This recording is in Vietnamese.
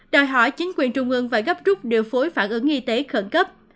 đòi hỏi chính quyền trung ương phải gấp rút điều phối phản ứng y tế khẩn cấp